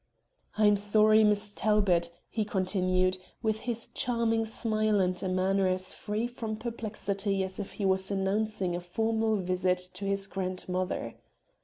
"I am sorry, Miss Talbot," he continued, with his charming smile and a manner as free from perplexity as if he was announcing a formal visit to his grandmother.